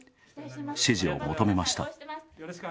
支持を求めました。